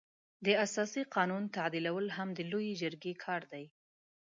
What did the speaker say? د اساسي قانون تعدیلول هم د لويې جرګې کار دی.